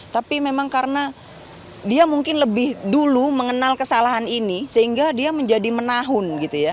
tapi memang karena dia mungkin lebih dulu mengenal kesalahan ini sehingga dia menjadi menahun gitu ya